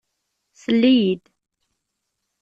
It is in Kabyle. Sell-iyi-d!